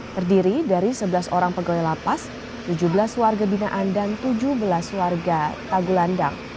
terdiri dari sebelas orang pegawai lapas tujuh belas warga binaan dan tujuh belas warga tagulandang